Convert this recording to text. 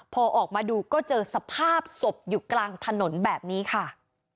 พอออกมาดูก็เจอสภาพศพอยู่กลางถนนแบบนี้ค่ะ